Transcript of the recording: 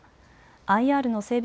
ＩＲの整備